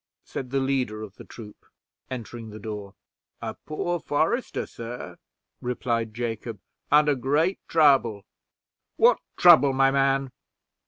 said the leader of the troop, entering the door. "A poor forester, sir," replied Jacob, "under great trouble." "What trouble, my man?"